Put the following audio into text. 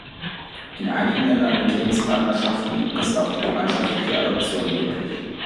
In einigen Ländern mit Lebenspartnerschaften ist auch die gemeinschaftliche Adoption möglich.